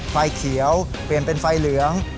ไฟเขียวเปลี่ยนเป็นไฟเหลือง